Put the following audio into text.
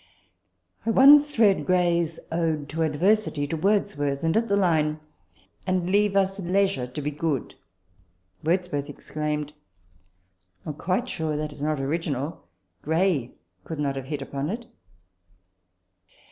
* I once read Gray's " Ode to Adversity " to Words worth ; and at the line, "And leave us leisure to be good," Wordsworth exclaimed, " I am quite sure that is not original ; Gray could not have hit upon it."